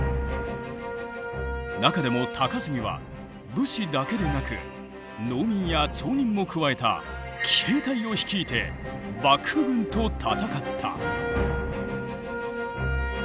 中でも高杉は武士だけでなく農民や町人も加えた奇兵隊を率いて幕府軍と戦った。